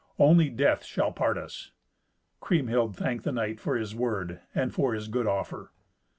Only death shall part us." Kriemhild thanked the knight for his word and for his good offer.